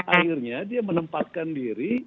akhirnya dia menempatkan diri